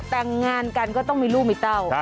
แต่งงานกันก็ต้องมีลูกมีเต้า